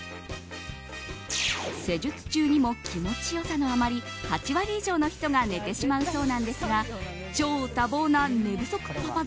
施術中にも気持ち良さのあまり８割以上の人が寝てしまうそうなんですが超多忙な寝不足パパ